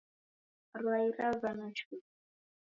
Rwai ravana shuu.